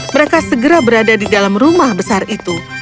mereka segera berada di dalam rumah besar itu